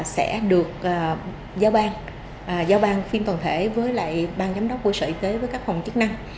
sẽ được giao ban giao ban phim toàn thể với lại ban giám đốc bộ sở y tế với các phòng chức năng